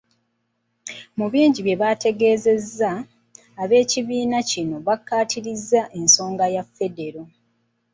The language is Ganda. Mu bingi bye baategeezezza, ab'ekibiina kino baakaatirizza ensonga ya Federo.